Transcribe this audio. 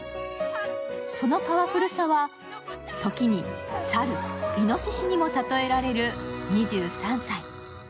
そのパワフルさはときに猿、いのししにも例えられる２３歳。